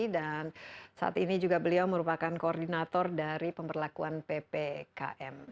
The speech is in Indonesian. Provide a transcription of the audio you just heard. dan saat ini juga beliau merupakan koordinator dari pemperlakuan ppkm